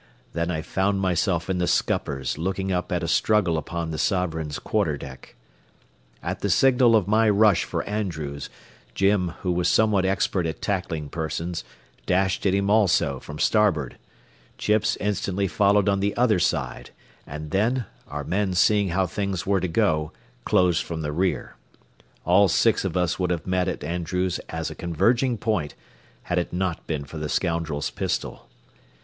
Then I found myself in the scuppers looking up at a struggle upon the Sovereign's quarter deck. At the signal of my rush for Andrews, Jim, who was somewhat expert at tackling persons, dashed at him also from starboard. Chips instantly followed on the other side, and then, our men seeing how things were to go, closed from the rear. All six of us would have met at Andrews as a converging point, had it not been for the scoundrel's pistol.